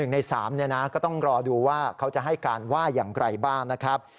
๑ใน๓เนี่ยนะก็ต้องรอดูว่าเขาจะให้การว่ายังไกลบ้างนะครับ